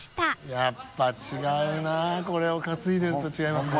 やっぱ違うなこれを担いでると違いますね。